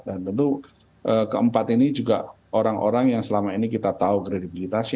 dan tentu keempat ini juga orang orang yang selama ini kita tahu kredibilitasnya